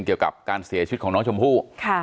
เกี่ยวกับการเสียชีวิตของน้องชมพู่